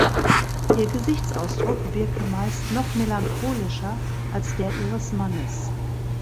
Ihr Gesichtsausdruck wirke meist noch melancholischer als der ihres Mannes.